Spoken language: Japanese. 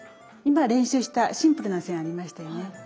今練習したシンプルな線ありましたよね。